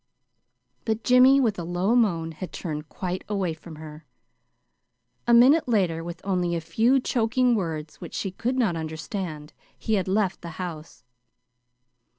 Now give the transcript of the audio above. But Jimmy, with a low moan had turned quite away from her. A minute later, with only a few choking words, which she could not understand, he had left the house.